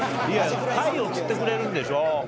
タイを釣ってくれるんでしょ？